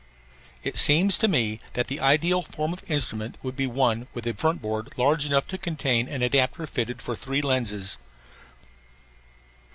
It seems to me that the ideal form of instrument would be one with a front board large enough to contain an adapter fitted for three lenses.